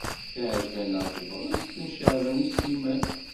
Teɛjeb-aneɣ tebɣest n Caɛban U Sliman.